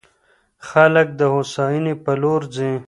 خلګ د هوساینې په لور ځي.